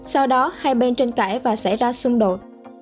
sau đó hai bên tranh cãi và xảy ra xung đột